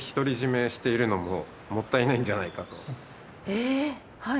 えっはい。